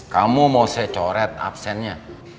kamu mau saya coret absennya